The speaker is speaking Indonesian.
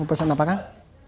mau pesen apa kang